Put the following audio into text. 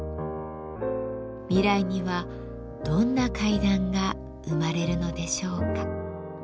未来にはどんな階段が生まれるのでしょうか。